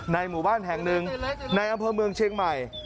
หมู่บ้านแห่งหนึ่งในอำเภอเมืองเชียงใหม่